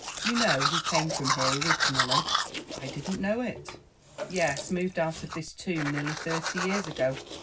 You know, he came from here originally." "I didn't know it." "Yes, moved out of this tomb nearly thirty years ago.